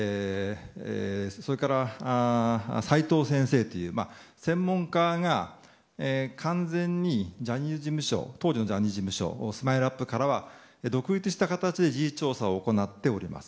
それから、サイトウ先生という専門家が完全に当時のジャニーズ事務所ＳＭＩＬＥ‐ＵＰ．からは独立した形で事実調査を行っております。